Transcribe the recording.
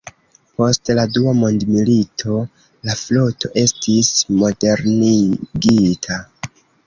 Post la Dua mondmilito, la floto estis modernigita.